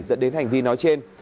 dẫn đến hành vi nói trên